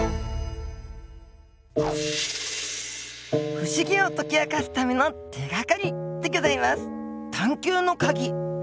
不思議を解き明かすための手がかりでギョざいます